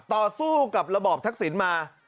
ต่อสู้กับระบอบทักษิณมา